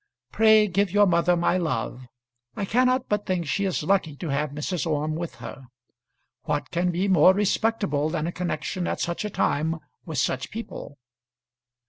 Pray give your mother my love. I cannot but think she is lucky to have Mrs. Orme with her. What can be more respectable than a connection at such a time with such people?